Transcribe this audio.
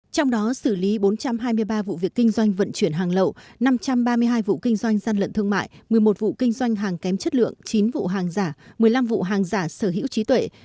trong đó xử lý bốn trăm hai mươi ba vụ việc kinh doanh vận chuyển hàng lậu năm trăm ba mươi hai vụ kinh doanh gian lận thương mại một mươi một vụ kinh doanh hàng kém chất lượng chín vụ hàng giả một mươi năm vụ hàng giả sở hữu trí tuệ